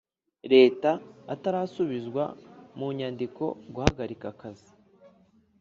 Leta atarasubizwa mu nyandiko guhagarika akazi